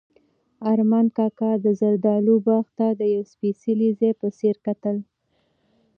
ارمان کاکا د زردالو باغ ته د یو سپېڅلي ځای په څېر کتل.